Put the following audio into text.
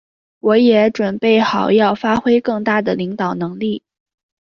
我也准备好要发挥更大的领导能力。